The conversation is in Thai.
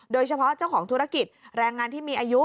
โดยเฉพาะเจ้าของธุรกิจแรงงานที่มีอายุ